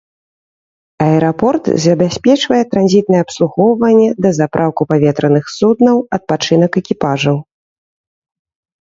Аэрапорт забяспечвае транзітнае абслугоўванне, дазапраўку паветраных суднаў, адпачынак экіпажаў.